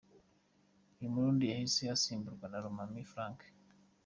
Uyu Murundi yahise anasimburwa na Lomami Frank.